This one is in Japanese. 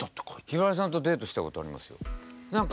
ひばりさんとデートしたことありますよ。